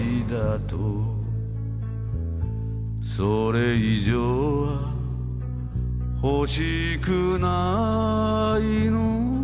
「それ以上は欲しくないの」